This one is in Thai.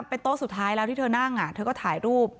เป็นโต๊ะสุดท้ายแล้วที่เธอนั่งเธอก็ถ่ายรูป